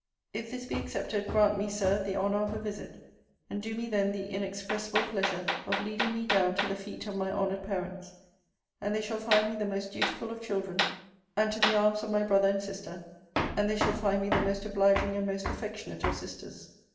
If this be accepted, grant me, Sir, the honour of a visit; and do me then the inexpressible pleasure of leading me down to the feet of my honoured parents, and they shall find me the most dutiful of children; and to the arms of my brother and sister, and they shall find me the most obliging and most affectionate of sisters.